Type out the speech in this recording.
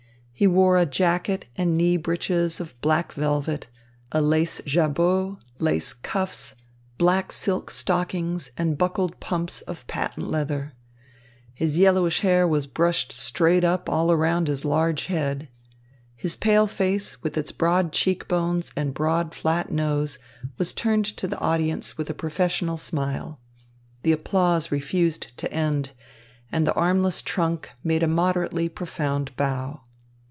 He wore a jacket and knee breeches of black velvet, a lace jabot, lace cuffs, black silk stockings, and buckled pumps of patent leather. His yellowish hair was brushed straight up all around his large head. His pale face, with its broad cheek bones and broad flat nose, was turned to the audience with a professional smile. The applause refused to end, and the armless trunk made a moderately profound bow.